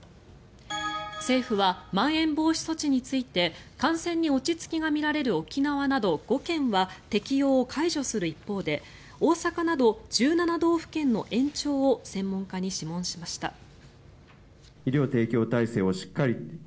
政府はまん延防止措置について感染に落ち着きが見られる沖縄など５県は適用を解除する一方で大阪など１７道府県の延長を専門家に諮問しました。